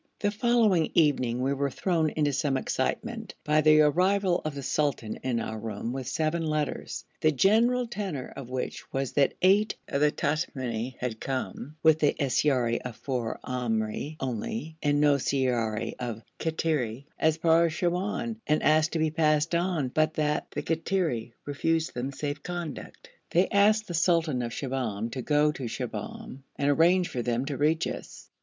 The following evening we were thrown into some excitement by the arrival of the sultan in our room with seven letters, the general tenor of which was that eight of the Tamimi had come, with the siyara of four Amri only, and no siyara of Kattiri, as far as Siwoun, and asked to be passed on, but that the Kattiri refused them safe conduct; they asked the sultan of Shibahm to go to Shibahm and arrange for them to reach us.